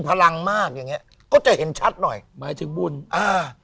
พลังมากอย่างเงี้ยก็จะเห็นชัดหน่อยหมายถึงบุญอ่า